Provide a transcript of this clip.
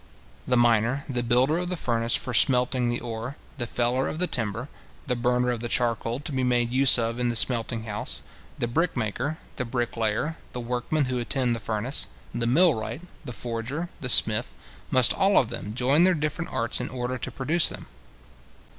The miner, the builder of the furnace for smelting the ore, the feller of the timber, the burner of the charcoal to be made use of in the smelting house, the brickmaker, the bricklayer, the workmen who attend the furnace, the millwright, the forger, the smith, must all of them join their different arts in order to produce them.